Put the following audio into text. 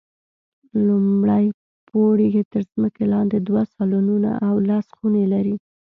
لومړی پوړ یې تر ځمکې لاندې دوه سالونونه او لس خونې لري.